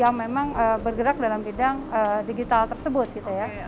yang memang bergerak dalam bidang digital tersebut gitu ya